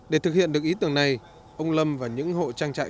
để thực hiện được ý tưởng này ông lâm và những hộ trang trại